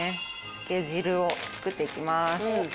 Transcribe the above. つけ汁を作っていきます。